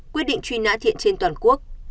quyết định truy nã thiện trên toàn quốc